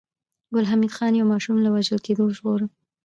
ګل حمید خان يو ماشوم له وژل کېدو وژغوره